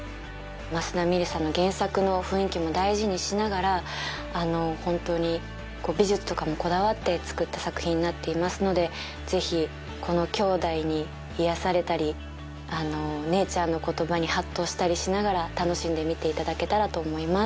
益田ミリさんの原作の雰囲気も大事にしながらあのホントにこう美術とかもこだわって作った作品になっていますのでぜひこのきょうだいに癒やされたりあのお姉ちゃんの言葉にハッとしたりしながら楽しんで見ていただけたらと思います。